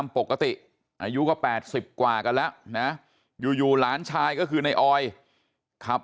ปกติอายุก็๘๐กว่ากันแล้วนะอยู่หลานชายก็คือในออยขับ